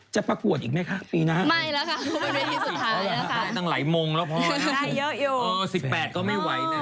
จะประกวดอีกไหมคะปีหน้า